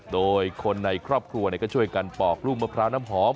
โดยคนในครอบครัวก็ช่วยกันปอกลูกมะพร้าวน้ำหอม